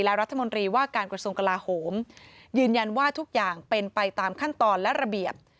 และรัฐมนตรีว่าการกระทรวงกลาโหมยืนยันว่าทุกอย่างเป็นไปตามขั้นตอนและระเบียบ